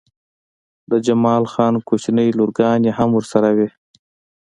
د جمال خان کوچنۍ لورګانې هم ورسره وې